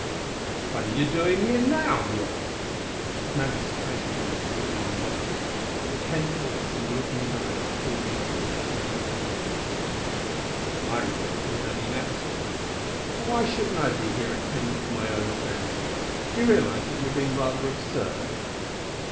"What are you doing here now?" he asked. His manner was casual enough to anyone watching, but the tense voice and the look in his eyes that bored into me were anything but casual. My resentment was only natural. "And why shouldn't I be here attending to my own affairs? Do you realize that you are being rather absurd?"